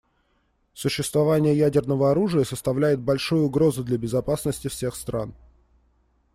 Существование ядерного оружия составляет большую угрозу для безопасности всех стран.